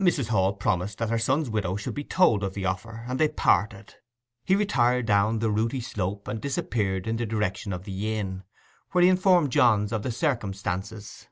Mrs. Hall promised that her son's widow should he told of the offer, and they parted. He retired down the rooty slope and disappeared in the direction of the inn, where he informed Johns of the circumstances.